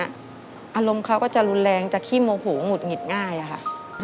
อารมณ์เขาก็จะรุนแรงจะขี้โมโหหงุดหงิดง่ายอะค่ะ